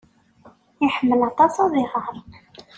Iḥemmel aṭas ad iɣer.